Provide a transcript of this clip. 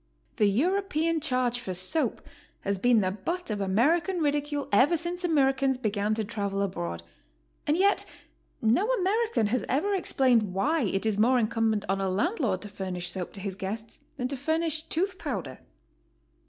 The European charge for soap has been the butt of American ridicule ever since Americans began to travel abroad, and yet no American has ever explained why it is more incumbent on a landlord to furnish soap to his HOW TO STAY. 127 guests than to furnish tooth powder.